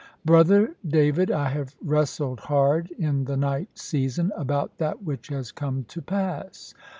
[B] "Brother David, I have wrestled hard in the night season, about that which has come to pass.